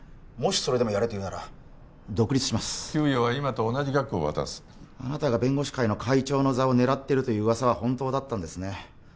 それでもやれと言うなら独立します給与は今と同じ額を渡すあなたが弁護士会の会長の座を狙ってるという噂は本当だったんですね